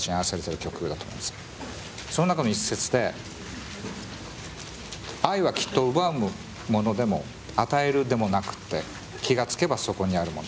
その中の一節で「愛はきっと奪うものでも与えるでもなくて気が付けばそこにある物」。